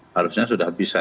harusnya sudah bisa